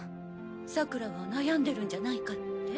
さくらが悩んでるんじゃないかって？